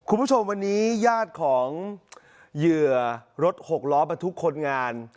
คุณผู้ชมวันนี้ญาติของเหยื่อรถหกล้อบรรทุกคนงาน